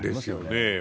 ですよね。